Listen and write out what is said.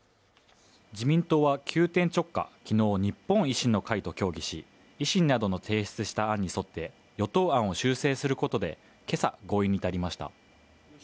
自民党は急転直下、昨日、日本維新の会と協議し維新などの提出した案に沿って、与党案を修正することで、今朝、合意に至りました。